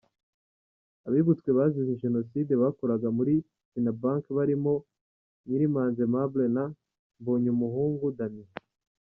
Abibutswe bazize jenoside bakoraga muri Fina Bank barimo Nyirimanzi Aimable na Mbonyumuhungu Damien.